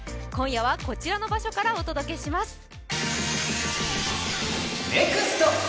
今夜はこちらの場所からお届けします